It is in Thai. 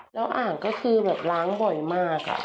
แล้วอ่างก็คือแบบล้างบ่อยมาก